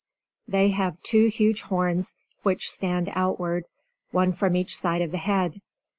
They have two huge horns which stand outward, one from each side of the head.